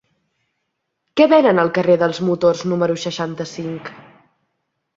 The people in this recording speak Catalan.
Què venen al carrer dels Motors número seixanta-cinc?